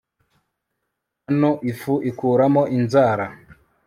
hano ifu ikuramo inzara